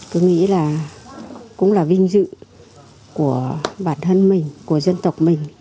tôi nghĩ là cũng là vinh dự của bản thân mình của dân tộc mình